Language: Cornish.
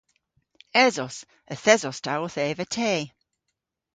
Esos. Yth esos ta owth eva te.